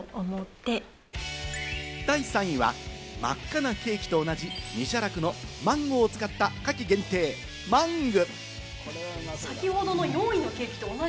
第３位は、真っ赤なケーキとおなじみ、ミシャラクのマンゴーを使った夏季限定・マング。